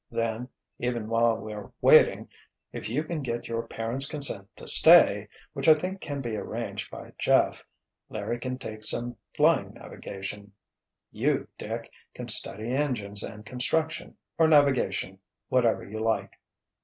Then—even while we're waiting—if you can get your parents' consent to stay, which I think can be arranged by Jeff—Larry can take some flying navigation—you, Dick, can study engines and construction, or navigation—whatever you like."